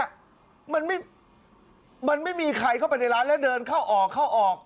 มันไม่มันไม่มีใครเข้าไปในร้านแล้วเดินเข้าออกเข้าออก